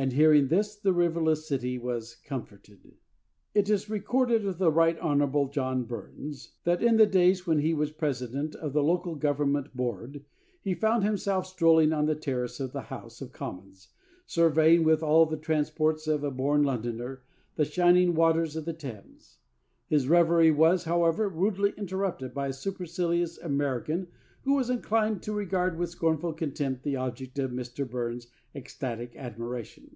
And, hearing this, the riverless city was comforted. It is recorded of the Right. Hon. John Burns that, in the days when he was President of the Local Government Board, he found himself strolling on the Terrace of the House of Commons, surveying, with all the transports of a born Londoner, the shining waters of the Thames. His reverie was, however, rudely interrupted by a supercilious American who was inclined to regard with scornful contempt the object of Mr. Burns' ecstatic admiration.